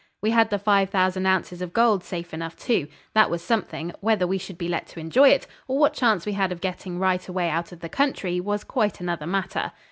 We had the five thousand ounces of gold, safe enough, too. That was something; whether we should be let enjoy it, or what chance we had of getting right away out of the country, was quite another matter.